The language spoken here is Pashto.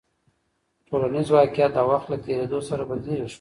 ټولنیز واقیعت د وخت له تېرېدو سره بدلېږي.